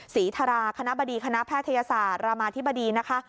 ศรีธราคณะบดีคณะแพทยศาสตร์รามาธิบดีนะคะ